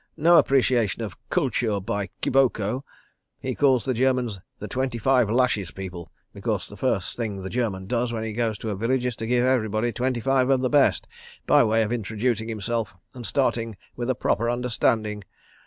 No appreciation of Kultur by kiboko. He calls the Germans 'the Twenty Five Lashes People,' because the first thing the German does when he goes to a village is to give everybody twenty five of the best, by way of introducing himself and starting with a proper understanding.